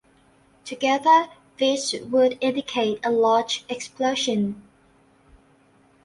Together these would indicate a large explosion.